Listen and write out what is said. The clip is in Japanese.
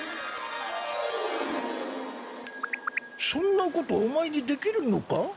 そんなことお前にできるのか？